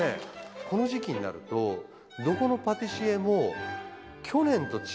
この時期になるとどこのパティシエも。